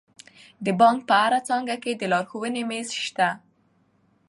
د بانک په هره څانګه کې د لارښوونې میز شته.